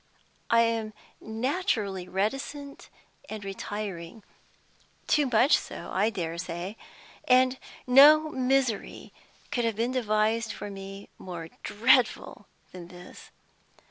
I am naturally reticent and retiring too much so, I dare say and no misery could have been devised for me more dreadful than this.